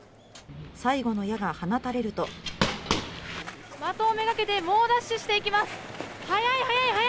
最後の矢が放たれると的を目掛けて猛ダッシュしていきます。